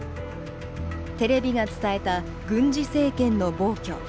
テレビが伝えた軍事政権の暴挙